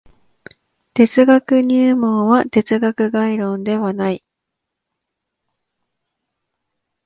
哲学入門は哲学概論ではない。